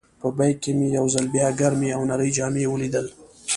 په بیک کې مې یو ځل بیا ګرمې او نرۍ جامې ولیدل.